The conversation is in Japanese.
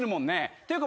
っていうか